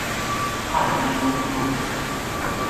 旱溪東路